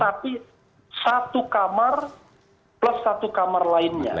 tapi satu kamar plus satu kamar lainnya